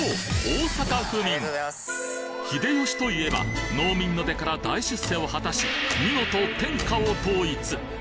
大阪府民秀吉といえば農民の出から大出世を果たし見事天下を統一